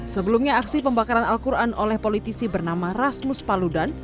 sebelumnya aksi pembakaran al quran oleh politisi bernama rasmus paludan